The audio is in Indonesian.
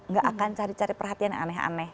gak akan cari cari perhatian yang aneh aneh